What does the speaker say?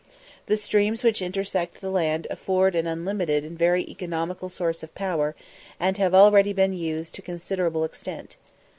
The streams which intersect the land afford an unlimited and very economical source of power, and have already been used to a considerable extent.